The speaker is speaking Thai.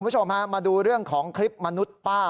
คุณผู้ชมฮะมาดูเรื่องของคลิปมนุษย์ป้า